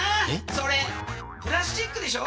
それプラスチックでしょ？